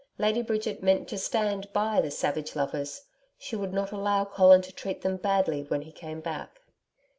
Lady Bridget meant to stand by the savage lovers. She would not allow Colin to treat them badly when he came back.